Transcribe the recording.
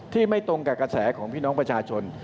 ไม่ตรงกับกระแสของพี่น้องประชาชน